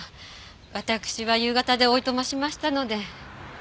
私は夕方でおいとましましたので。